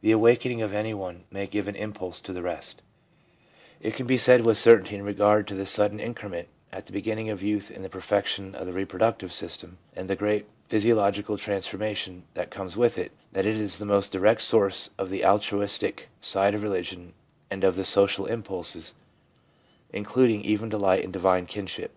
The awakening of any one may give an impulse to the rest It can be said 4 04 THE PSYCHOLOGY Of RELIGION with certainty in regard to the sudden increment at the beginning of youth in the perfection of the repro ductive system, and the great physiological trans formation that comes with it, that it is the most direct source of the altruistic side of religion and of the social impulses, including even delight in divine kinship.